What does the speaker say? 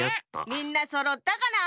みんなそろったかな？